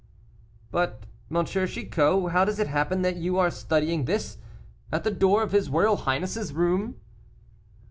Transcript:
"But, M. Chicot, how does it happen that you are studying this at the door of his royal highness' room?"